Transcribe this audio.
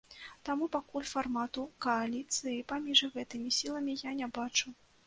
Таму пакуль фармату кааліцыі паміж гэтымі сіламі я не бачу.